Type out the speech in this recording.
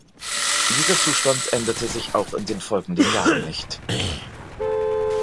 Dieser Zustand änderte sich auch in den folgenden Jahren nicht.